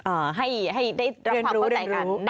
ให้ให้ได้รับความเข้าใจกัน